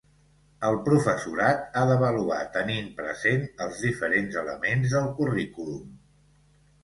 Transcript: El professorat ha d’avaluar tenint present els diferents elements del currículum.